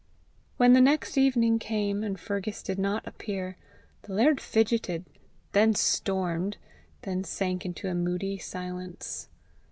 When the next evening came, and Fergus did not appear, the laird fidgeted, then stormed, then sank into a moody silence.